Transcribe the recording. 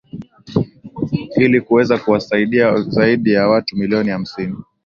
ili kuweza kuwasaidia zaidi ya watu milioni hamsini